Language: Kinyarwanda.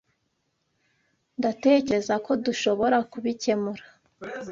Ndatekereza ko dushobora kubikemura.